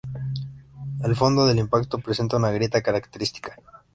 El fondo del impacto presenta una grieta característica.